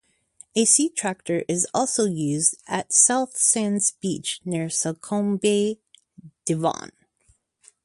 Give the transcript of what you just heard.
A sea tractor is also used at South Sands Beach near Salcombe, Devon.